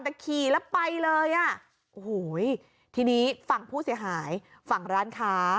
แต่ขี่แล้วไปเลยอ่ะโอ้โหทีนี้ฝั่งผู้เสียหายฝั่งร้านค้า